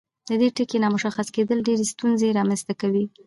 د دې ټکي نامشخص کیدل ډیرې ستونزې رامنځته کوي.